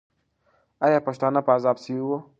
آیا پښتانه په عذاب سوي وو؟